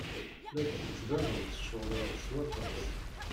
La d-tettbaned tceɣled s waṭas.